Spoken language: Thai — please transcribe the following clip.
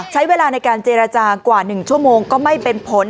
ใช้เวลาในการเจรจากว่า๑ชั่วโมงก็ไม่เป็นผล